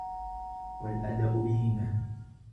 وَالْأَدَبُ بِهِمَا